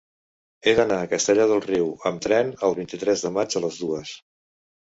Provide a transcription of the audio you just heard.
He d'anar a Castellar del Riu amb tren el vint-i-tres de maig a les dues.